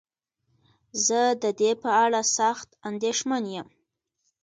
زه ددې په اړه سخت انديښمن يم.